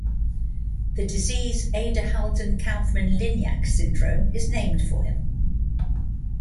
The disease Abderhalden-Kaufmann-Lignac syndrome is named for him.